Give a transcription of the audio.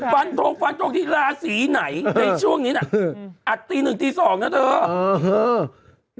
ฟันโทรฟันโทรธีราสีไหนในช่วงนี้น่ะอ่ะตีหนึ่งตีสองนะเถอะอ๋อ